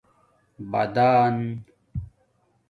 بٹݻن